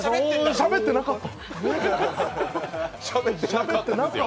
しゃべってなかった！